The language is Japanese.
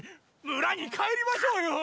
村に帰りましょうよ！